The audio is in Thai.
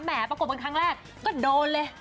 แหมประกบกันครั้งแรกก็โดนเลย